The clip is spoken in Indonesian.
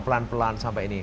pelan pelan sampai ini